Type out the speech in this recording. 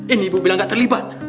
ini ibu bilang gak terlibat